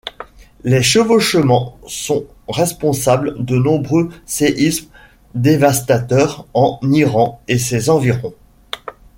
Les chevauchements sont responsables de nombreux séismes dévastateurs en Iran et ses environs.